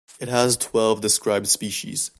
It has twelve described species.